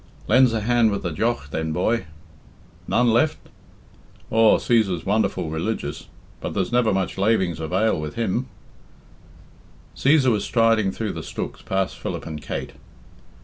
"Lend's a hand with the jough then, boy. None left? Aw, Cæsar's wonderful religious, but there's never much lavings of ale with him." Cæsar was striding through the stooks past Philip and Kate.